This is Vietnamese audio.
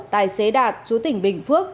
tài xế đạt chú tỉnh bình phước